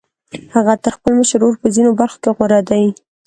هغه تر خپل مشر ورور په ځينو برخو کې غوره دی.